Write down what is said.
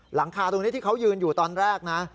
หลังคาตรงนี้ที่เขายืนอยู่ตอนแรกนะ